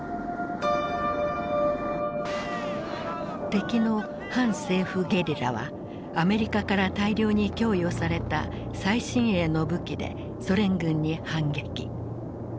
敵の反政府ゲリラはアメリカから大量に供与された最新鋭の武器でソ連軍に反撃。